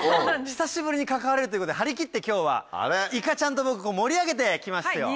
久しぶりに関われるということで張り切って今日はいかちゃんと僕盛り上げて行きますよ！